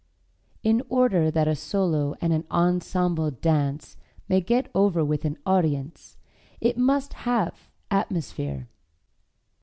In order that a solo and an ensemble dance may get over with an audience it must have atmosphere.